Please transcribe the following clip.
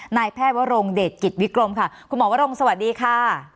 นายแพทย์วรงเดชกิจวิกรมค่ะคุณหมอวรงสวัสดีค่ะ